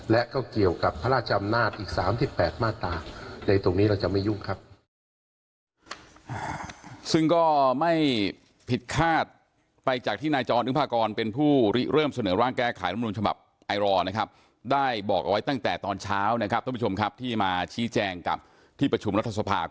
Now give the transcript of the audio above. และก็เกี่ยวกับพระราชอำนาจอีก๓๘มาตรา